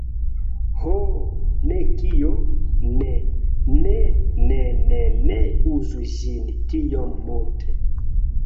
Ho.. ne kio? Ne! Ne ne ne ne uzu ĝin tiom multe!